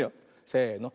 せの。